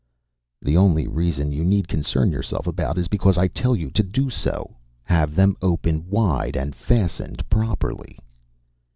"The only reason you need concern yourself about is because I tell you to do so. Have them open wide and fastened properly."